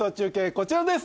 こちらです